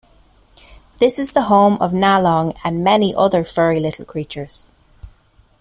This is the home of Nalong and many other furry little creatures.